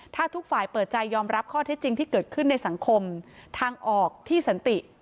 ถ้าทุกฝ่ายเปิดใจยอมรับข้อเท็จจริงที่เกิดขึ้นในสังคมทางออกที่สันติ